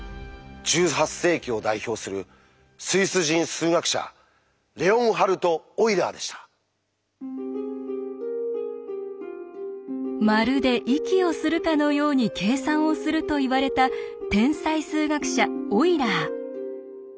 １８世紀を代表するスイス人数学者「まるで息をするかのように計算をする」といわれた天才数学者オイラー。